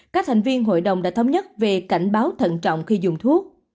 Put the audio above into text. các thành viên hội đồng đã thống nhất về cảnh báo thận trọng khi dùng thuốc